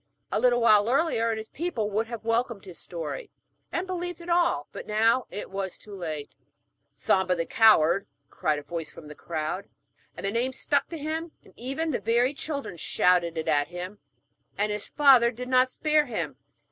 A little while earlier and his people would have welcomed his story, and believed it all, but now it was too late. 'Samba the Coward,' cried a voice from the crowd; and the name stuck to him, even the very children shouted it at him, and his father did not spare him.